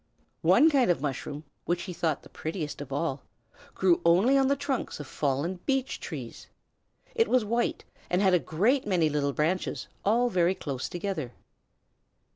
One kind of mushroom, which he thought the prettiest of all, grew only on the trunks of fallen beech trees. It was white, and had a great many little branches, all very close together.